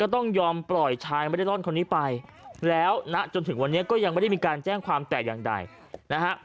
ต้องยอมปล่อยชายไม่ได้ร่อนคนนี้ไปแล้วณจนถึงวันนี้ก็ยังไม่ได้มีการแจ้งความแต่อย่างใดนะฮะ